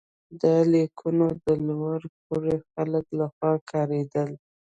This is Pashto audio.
دا لیکونه د لوړ پوړو خلکو لخوا کارېدل.